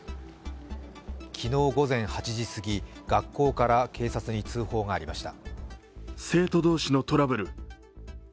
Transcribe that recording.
昨日午前８時すぎ、学校から警察に通報がありました。